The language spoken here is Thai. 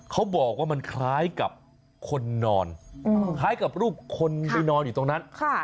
เขาบอกว่ามันคล้ายกับคนนอนคล้ายกับรูปคนไปนอนอยู่ตรงนั้น